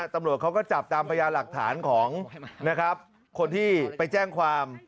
ตำรวจเขาก็จับตามพยาหลักฐานของนะครับคนที่ไปแจ้งความ